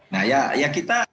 nah ya kita